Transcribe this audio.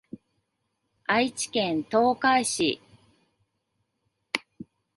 愛知県東海市